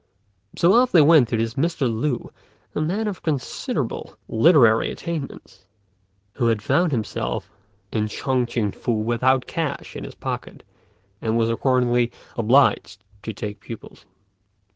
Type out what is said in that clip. So off they went to this Mr. Lü, a man of considerable literary attainments, who had found himself in Shun t'ien Fu without a cash in his pocket, and was accordingly obliged to take pupils.